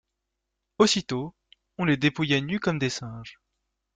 Aussitôt on les dépouilla nus comme des singes.